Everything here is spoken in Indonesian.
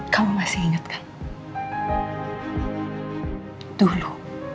kamu masih ingatkan dulu